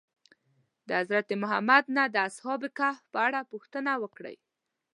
د حضرت محمد نه د اصحاب کهف په اړه پوښتنه وکړئ.